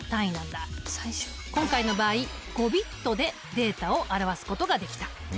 今回の場合５ｂｉｔでデータを表すことができた。